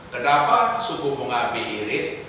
kenapa suku bunga bi irit